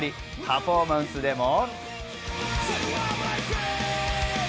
パフォーマンスでも。